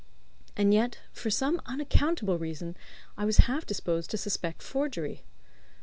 And yet, for some unaccountable reason, I was half disposed to suspect forgery.